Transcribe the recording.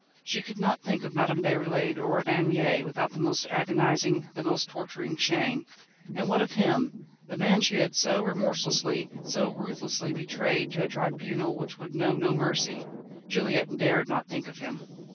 She could not think of Madame Déroulède or of Anne Mie without the most agonising, the most torturing shame. And what of him the man she had so remorselessly, so ruthlessly betrayed to a tribunal which would know no mercy? Juliette dared not think of him.